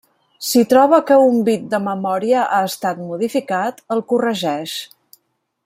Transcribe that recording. Si troba que un bit de memòria ha estat modificat, el corregeix.